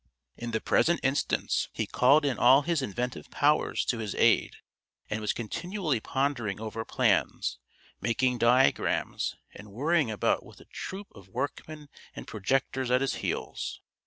In the present instance he called in all his inventive powers to his aid, and was continually pondering over plans, making diagrams, and worrying about with a troop of workmen and projectors at his heels.